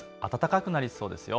暖かくなりそうですよ。